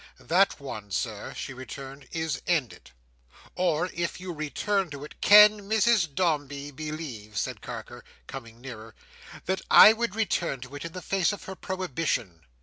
"That one, Sir," she returned, "is ended. Or, if you return to it—" "Can Mrs Dombey believe," said Carker, coming nearer, "that I would return to it in the face of her prohibition?